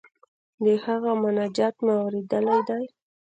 د هغه مناجات مو اوریدلی دی.